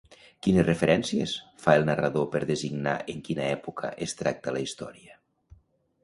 Quines referències fa el narrador per designar en quina època es tracta la història?